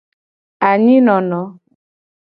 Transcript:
Anyi nono.